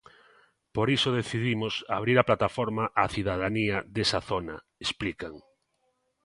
Por iso decidimos abrir a plataforma á cidadanía desa zona, explican.